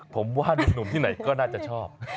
ผมว่านุ่มที่ไหนก็น่าจะชอบ